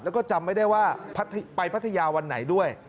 แล้วก็จำไม่ได้ว่าไปพัทยาวันไหนด้วย